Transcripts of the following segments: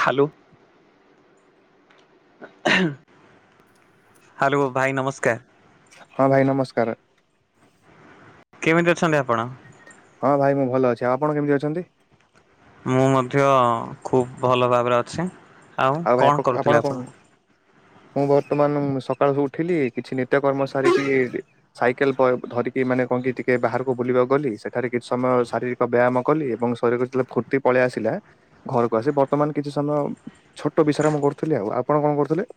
ଖାଲୁ [unintelligible] hello ଭାଇ ନମସ୍କାର। ହଁ ଭାଇ ନମସ୍କାର। କେମିତି ଅଛନ୍ତି ଆପଣ? ହଁ ଭାଇ ମୁଁ ଭଲ ଅଛି ଆପଣ କେମିତି ଅଛନ୍ତି? ମୁଁ ମଧ୍ୟ ଖୁବ୍ ଭଲ ଭାବରେ ଅଛି ଆଉ ଭାଇ କଣ ଆପ- କରୁଥିଲେ କଣ ଆପଣ? ମୁଁ ବର୍ତ୍ତମାନ ସକାଳୁୁ ଉଠିଲି କିଛି ନିତ୍ୟ କର୍ମ ସାରିକି ସାଇକେଲ ଧରିକି ମାନେ କଣ କି ଟିକେ ବାହାରକୁ ବୁଲିବାକୁ ଗଲି ସେଠାରେ କିଛି ସମୟ ଶାରୀରିକ ବ୍ୟାୟାମ କଲି ଏବଂ ଶରୀରରେ ଯେତବେଳେ ଫୁର୍ତ୍ତି ପଳେଇ ଆସିଲା ଘରକୁ ଆସି ବର୍ତ୍ତମାନ କିଛି ସମୟ ଛୋଟ ବିଶ୍ରାମ କରୁଥିଲି ଆଉ ଆପଣ କଣ କରୁଥିଲେ?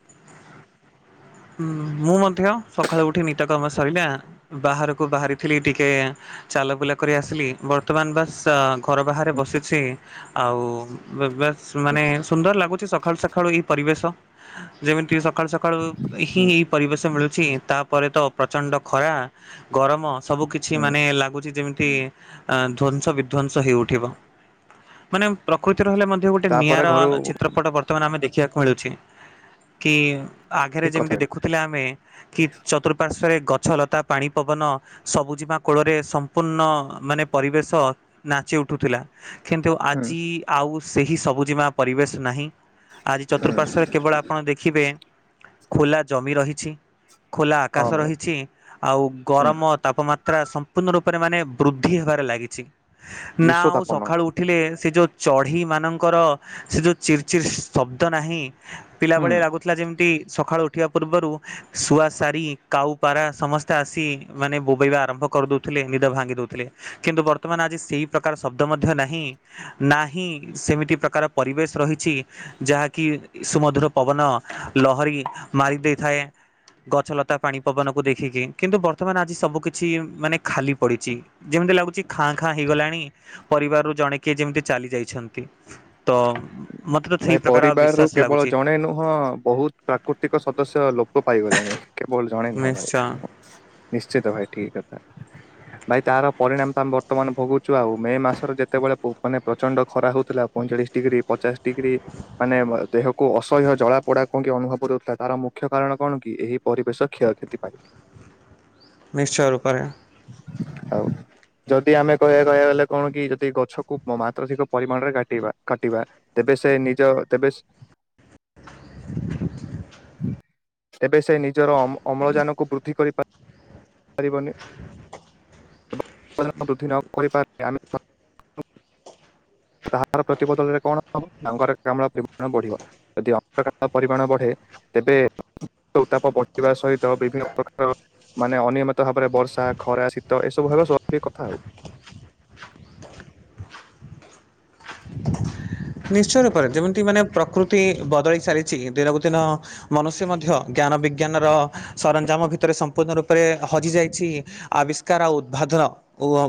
ମୁଁ ମଧ୍ୟ ସକାଳୁ ଉଠି ନିତକର୍ମ ସରିଲା ବାହାରକୁ ବାହାରିଥିଲି ଟିକେ ଚାଲ ବୁଲା କରି ଆସିଲି ବର୍ତ୍ତମାନ ବାସ୍ ଘର ବାହାରେ ବସିଛି। ଆଉ ବାସ୍ ମାନେ ସୁନ୍ଦର ଲାଗୁଛି ସକାଳୁ ସକାଳୁ ଏଇ ପରିବେଶ। ଯେମିତି ଟିକେ ସକାଳୁ ସକାଳ ହିଁ ହୁଁ ଏହି ପରିବେଶ ମିଳୁଛି ତାପରେ ତ ପ୍ରଚଣ୍ଡ ଖରା ଗରମ। ସବୁ କିଛି ହୁଁ ମାନେ ଲାଗୁଛି ଯେମିତି ଧ୍ୱଂସ ବିଧ୍ଵଂସ ହେଇଉଠିବ ମାନେ ପ୍ରକୃତି ରହିଲେ ମ ଗୋଟେ ତାପରେ ନିଆରା ଘରୁ ଚିତ୍ରପଟ ବ ବର୍ତ୍ତମାନ ଆମେ ଦେଖିବାକୁ ମିଳୁଛି କି ଆଗରେ ଠିକ କଥା ଯେମିତି କହିଲେ ଦେଖୁଥିଲେ ଆମେ କି ଚତୁଃପାର୍ଶ୍ଵରେ ଗଛ ଲତା ପାଣି ପବନ। ସବୁଜିମା କୋଳରେ ସମ୍ପୂର୍ଣ୍ଣ ମାନେ ପରିବେଶ ନାଚି ଉଠୁଥିଲା। କିନ୍ତୁ ହୁଁ ଆଜି ଆଉ ସେହି ସବୁଜିମା ପରିବେଶ ନାହିଁ। ଆଜି ହୁଁ ଚତୁଃପାର୍ଶ୍ଵରେ କେବଳ ଆପଣ ଦେଖିବେ। ଖୋଲା ଜମି ରହିଛି ଖୋଲା ହଁ ଆକାଶ ଭାଇ ରହିଛି ଆଉ ହୁଁ ଗରମ ତାପମାତ୍ରା ସମ୍ପୂର୍ଣ୍ଣ ରୂପରେ ମାନେ ବୃଦ୍ଧି ହେବାରେ ଲାଗିଛି ନା ବିଶ୍ଵ ଆଉ ତାପନ ସକାଳୁ ଉ ଉଠିଲେ ସେ ଯୋଉ ଚଢେଇମାନଙ୍କର ସେ ଯୋଉ ଚିର୍ ଚିର୍ ଶବ୍ଦ ନାହିଁ। ହୁଁ ପିଲାବେଳେ ଲାଗୁଥିଲା ଯେମିତି ସକାଳୁ ଉଠିବା ପୂର୍ବରୁ ଶୁଆ ଶାରୀ କାଉ ପାରା ସମସ୍ତେ ଆସି ମାନେ ବୋବେଇବା ଆରମ୍ଭ କରିଦଉଥିଲେ ନିଦ ଭାଙ୍ଗି ଦଉଥିଲେ। କିନ୍ତୁ ବର୍ତ୍ତମାନ ଆଜି ସେଇ ପ୍ରକାର ଶବ୍ଦ ମଧ୍ୟ ନାହିଁ। ନାହିଁ ସେମିତି ପ୍ରକାର ପରିବେଶ ରହିଛି। ଯାହାକି ସୁମଧୁର ପବନ ଲହରୀ ମାରି ଦେଇଥାଏ। ଗଛ ଲତା ପାଣି ପବନକୁ ଦେଖିକି କିନ୍ତୁ ବର୍ତ୍ତମାନ ଆଜି ସବୁ କିିଛି ମାନେ ଖାଲି ପଡ଼ିଛି। ଯେମିତି ଲାଗୁଛି ଖାଁ ଖାଁ ହେଇଗଲାଣି ପରିବାରରୁ ଜଣେ କିଏ ଯେମିତି ଚାଲି ଯାଇଛନ୍ତି। ତ ମତେ ତ ସେଇ ଭାଇ ପ୍ରକାର ପରିବାରରୁୁ ବିଶ୍ଵାସ କେବଳ ଲାଗୁଛି ଜଣେ ନୁହଁ ବହୁତ ପ୍ରାକୃତିକ ସଦସ୍ୟ ଲୋପ ପାଇଗଲେଣି କେବଳ ଜଣେ ନୁହଁ ନିଶ୍ଚୟ ଭାଇ। ନିଶ୍ଚିତ ଭାଇ ଠିକ୍ କଥା। [unintelligible] ଭାଇ ତାର ପରିଣାମ ତ ଆମେ ବର୍ତ୍ତମାନ ଭୋଗୁଛୁ ଆଉ ମେ ମାସର ଯେତେବେଳେ ପ ମାନେ ପ୍ରଚଣ୍ଡ ଖରା ହେଉଥିଲା ପଇଁଚାଳିଶି ଡିଗ୍ରୀ। ପଚାଶ ଡିଗ୍ରୀ। ମାନେ ଦେହକୁ ଅସହ୍ୟ ଜଳା ପୋଡ଼ା କଣ ଅନୁଭବ ଦଉଥିଲା ତାର ମୁଖ୍ୟ କାରଣ କଣ କି ଏହି ପରିବେଶ କ୍ଷୟକ୍ଷତି ପାଇଁ। ନିଶ୍ଚୟ ରୂପରେ। ଆଉ। ଯଦି ଆମେ କହିବା କହିବା ଗଲେ କଣ କି ଯଦି ଗଛକୁ ମାତ୍ରାଧିକ ପରିମାଣରେ କାଟିବା କାଟିବା। ତେବେ ସେ ନିଜ ତେବେ ସେ ତେବେ ସେ ନିଜର ଅମ୍ଳଜାନକୁ ବୃଦ୍ଧି କରିପା ପାରିବନି ବୃଦ୍ଧି ନ କରିପାରେ ଆମେ ତାହାର ପ୍ରତି ବଦଳରେ କଣ ହବ ଅଙ୍ଗାରକାମ୍ଳ ପରିମାଣ ବଢ଼ିବ ଯଦି ଅଙ୍ଗାରକାମ୍ଳର ପରିମାଣ ବଢ଼େ ତେବେ ଉତ୍ତାପ ବଢ଼ିବା ସହିତ ବିଭିନ୍ନ ପ୍ରକାର ମାନେ ଅନିୟମିତ ଭାବରେ ବର୍ଷା ଖରା ଶୀତ ଏସବୁ ହେବା ସ୍ୱାଭାବିକ କଥା ଆଉ। ନିଶ୍ଚୟ ରୂପରେ ଯେମିତି ମାନେ ପ୍ରକୃତି ବଦଳି ସାରିଛି ଦିନକୁ ଦିନ ମନୁଷ୍ୟ ମଧ୍ୟ ଜ୍ଞାନ ବିଜ୍ଞାନର ସରଞ୍ଜାମ ଭିତରେ ସମ୍ପୂର୍ଣ୍ଣ ରୂପରେ ହଜିଯାଇଛି। ଆବିଷ୍କାର ଆଉ ଉଦ୍ଭାଦନ ଓ